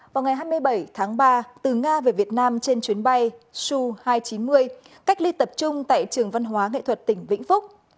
vào ngày hai mươi bảy tháng ba từ nga về việt nam trên chuyến bay su hai trăm chín mươi cách ly tập trung tại trường văn hóa nghệ thuật tỉnh vĩnh phúc